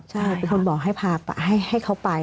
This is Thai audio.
ใช่ค่ะบอกให้เขาไป